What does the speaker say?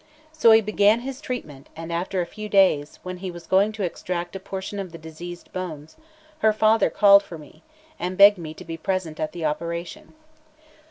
So he began his treatment; and after a few days, when he was going to extract a portion of the diseased bones, her father called for me, and begged me to be present at the operation.